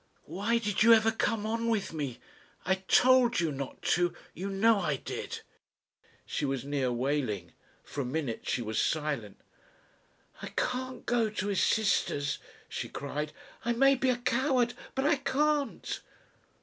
"Why did you ever come on with me? I told you not to you know I did." She was near wailing. For a minute she was silent. "I can't go to his sister's," she cried. "I may be a coward but I can't."